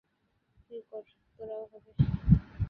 তুই কর, তোরও হবে।